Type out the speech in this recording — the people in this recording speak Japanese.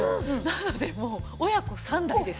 なのでもう親子３代です。